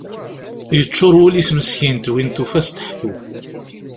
Yeččur wul-is meskint, win tufa ad as-teḥku.